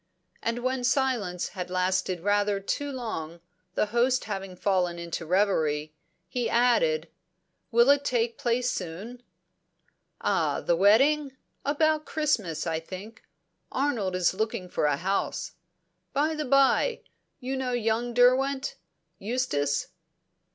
And when silence had lasted rather too long, the host having fallen into reverie, he added: "Will it take place soon?" "Ah the wedding? About Christmas, I think. Arnold is looking for a house. By the bye, you know young Derwent Eustace?"